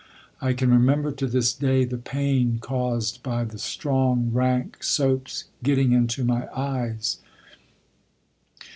I can remember to this day the pain caused by the strong, rank soap's getting into my eyes.